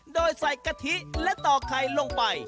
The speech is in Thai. โดยใส่กะทิและต่อไข่ลงไป